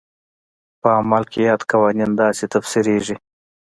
په عمل کې یاد قوانین داسې تفسیرېږي.